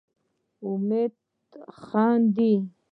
امید خاندي.